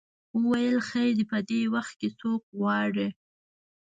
وویل خیر دی په دې وخت کې څوک غواړې.